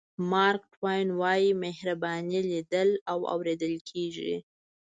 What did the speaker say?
مارک ټواین وایي مهرباني لیدل او اورېدل کېږي.